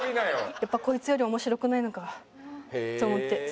やっぱこいつより面白くないのかと思って。